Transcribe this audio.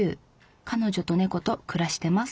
彼女と猫と暮らしてます。